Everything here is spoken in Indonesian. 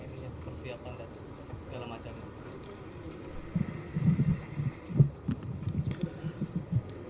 ini persiapan dan segala macam